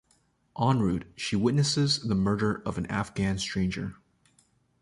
En route, she witnesses the murder of an Afghan stranger.